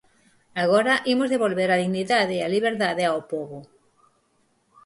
Agora imos devolver a dignidade e a liberdade ao pobo.